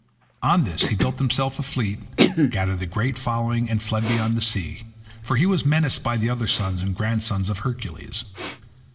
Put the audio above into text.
On this he built himself a fleet, gathered a great following, and fled beyond the sea, for he was menaced by the other sons and grandsons of Hercules.